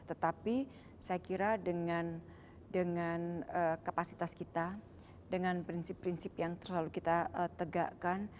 tetapi saya kira dengan kapasitas kita dengan prinsip prinsip yang terlalu kita tegakkan